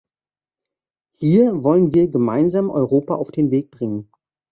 Hier wollen wir gemeinsam Europa auf den Weg bringen.